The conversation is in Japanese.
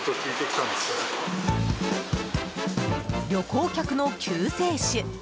旅行客の救世主。